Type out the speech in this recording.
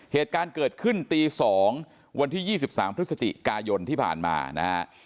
เหตุการณ์เกิดขึ้นตี๒วันที่๒๓พฤศจิกายนที่ผ่านมานะฮะ